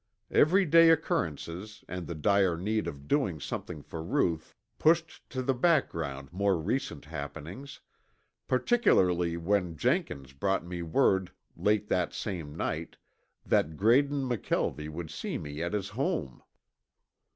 Everyday occurrences and the dire need of doing something for Ruth pushed to the background more recent happenings, particularly when Jenkins brought me word late that same night that Graydon McKelvie would see me at his home.